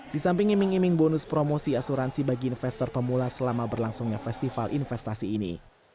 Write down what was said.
di samping iming iming bonus promosi asuransi bagi investor pemula selama berlangsungnya festival investasi ini